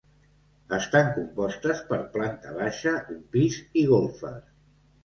Estan compostes per planta baixa, un pis i golfes.